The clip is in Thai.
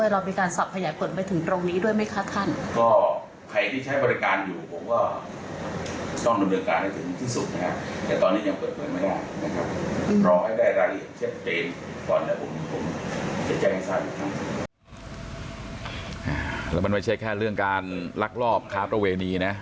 แล้วมันไม่ใช่แค่เรื่องการลักลอบค้าประเวณีนะ